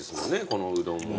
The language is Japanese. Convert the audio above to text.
このうどんも。